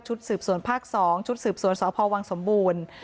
สืบสวนภาค๒ชุดสืบสวนสพวังสมบูรณ์